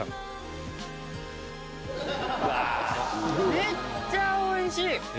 めっちゃおいしい！